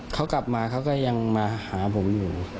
เขากลับมาเขาก็ยังมาหาผมอยู่